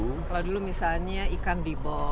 kalau dulu misalnya ikan dibo